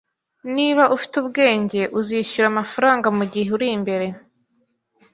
Niba ufite ubwenge, uzishyura amafaranga mugihe uri imbere